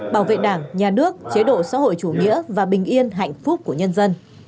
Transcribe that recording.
bảo vệ đảng nhà nước chế độ xã hội chủ nghĩa và bình yên hạnh phúc của nhân dân